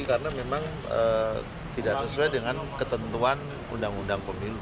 karena memang tidak sesuai dengan ketentuan undang undang pemilu